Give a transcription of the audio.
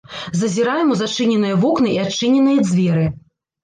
Зазіраем у зачыненыя вокны і адчыненыя дзверы.